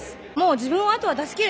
自分はあとは出し切る。